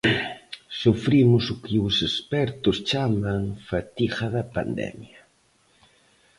Sufrimos o que os expertos chaman fatiga da pandemia.